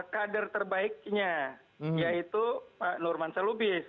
kader terbaiknya yaitu pak nurman salubis